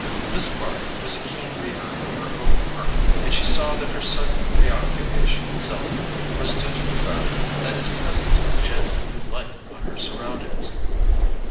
Miss Bart was a keen reader of her own heart, and she saw that her sudden preoccupation with Selden was due to the fact that his presence shed a new light on her surroundings.